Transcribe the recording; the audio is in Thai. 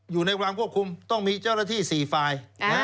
อยู่ในความควบคุมต้องมีเจ้าหน้าที่๔ฝ่าย